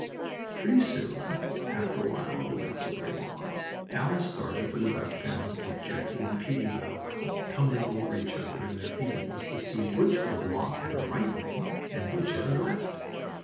So pretty soon, after a while, oh, not so very long, Alice started for the duck pen, with Jackie and Peetie Bow Wow tumbling over each other in their eagerness to see which would walk at her right wing, and which at her left.